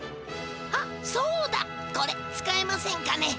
あっそうだこれ使えませんかね？